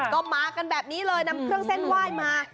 ก็มากันแบบนี้เลยนำเครื่องเส้นไหว้มา